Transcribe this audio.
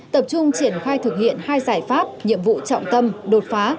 tập trung triển khai thực hiện hai giải pháp nhiệm vụ trọng tâm đột phá